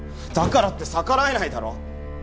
だからって逆らえないだろ？